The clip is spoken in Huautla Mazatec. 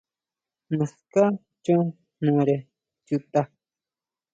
Naská chon jnore chuta.